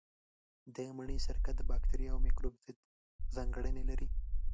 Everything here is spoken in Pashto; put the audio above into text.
د مڼې سرکه د باکتریا او مېکروب ضد ځانګړنې لري.